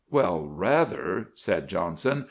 "'Well, rather!' said Johnson.